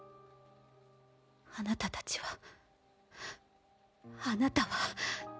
あなたたちはあなたは。